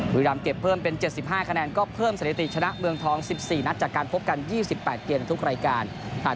บุรีรำเก็บเพิ่มเป็น๗๕คะแนนก็เพิ่มสถิติชนะเมืองทอง๑๔นัดจากการพบกัน๒๘เกมในทุกรายการ